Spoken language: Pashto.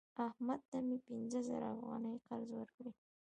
احمد ته مې پنځه زره افغانۍ قرض ورکړی